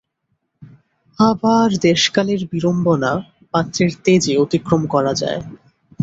আবার দেশকালের বিড়ম্বনা পাত্রের তেজে অতিক্রম করা যায়।